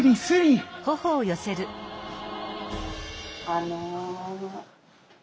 あの。